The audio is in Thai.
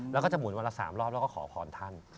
แล้วก็จะหมุนวันละ๓รอบแล้วก็ขอพรท่าน